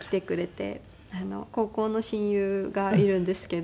高校の親友がいるんですけど。